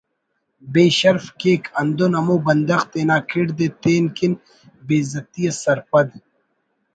بے شرف کیک ہندن ہمو بندغ تینا کڑد ءِ تین کن بے عزتی اس سرپد